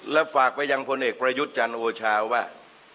และฝากไปยังพลเอกประยุทธ์จันทร์โอชาว่า